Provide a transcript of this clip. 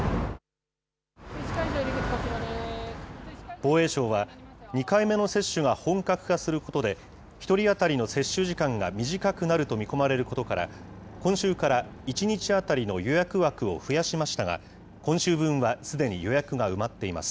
防衛省は、２回目の接種が本格化することで、１人当たりの接種時間が短くなると見込まれることから、今週から１日当たりの予約枠を増やしましたが、今週分はすでに予約が埋まっています。